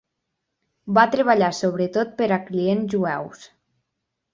Va treballar sobretot per a clients jueus.